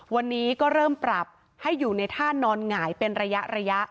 วันนี้ก็เริ่มปรับให้อยู่ในท่านอนหงายเป็นระยะ